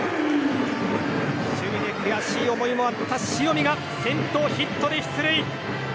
守備で悔しい思いもあった塩見が先頭ヒットで出塁。